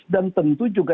dan tentu juga